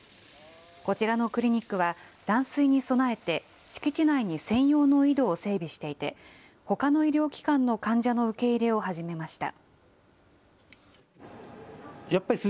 こちらのクリニックは、断水に備えて敷地内に専用の井戸を整備していて、ほかの医療機関の患者の受け入れを始めました。